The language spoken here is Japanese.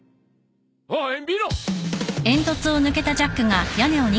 おい見ろ！